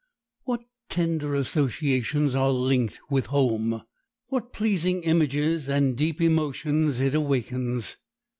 What tender associations are linked with home! What pleasing images and deep emotions it awakens!